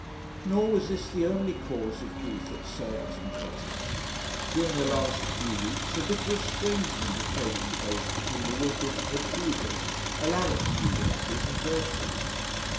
Nor was this the only cause of grief at Surbiton Cottage. During the last few weeks a bitter estrangement had taken place between the Woodwards and the Tudors, Alaric Tudor, that is, and Gertrude.